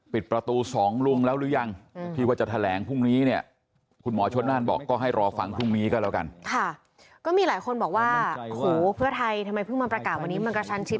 ปิดประตูสองรุ่งแล้วหรือยัง